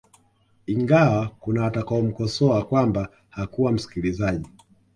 Ingawa kuna watakao mkosoa kwamba hakuwa msikilizaji